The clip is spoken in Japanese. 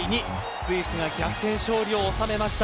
スイスが逆転勝利を収めました。